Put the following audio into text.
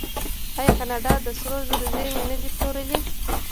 آیا کاناډا د سرو زرو زیرمې نه دي پلورلي؟